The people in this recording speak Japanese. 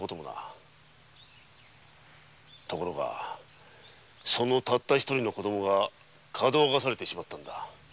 ところがそのたった一人の子供がかどわかされてしまったのだ。